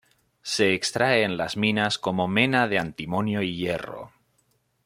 Se extrae en las minas como mena de antimonio y hierro.